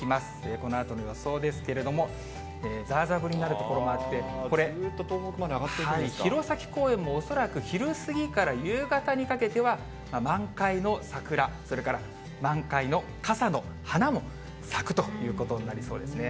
このあとの予想ですけれども、ざーざー降りになる所もあって、これ、弘前公園も、恐らく昼過ぎから夕方にかけては、満開の桜、それから満開の傘の花も咲くということになりそうですね。